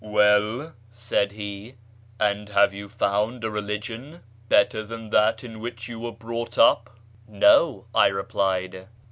" Well," said he, " and have you found a religion better than that in which you were brought up ?"" No," I replied.